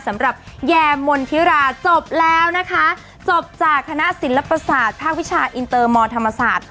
สำหรับแยมนธิราจบแล้วนะคะจบจากคณะศิลปศาสตร์ภาควิชาอินเตอร์มธรรมศาสตร์